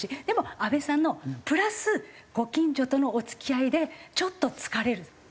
でも安部さんのプラスご近所とのお付き合いでちょっと疲れる。